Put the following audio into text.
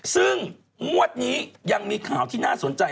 ซึ่งงวดนี้ยังมีข่าวที่น่าสนใจ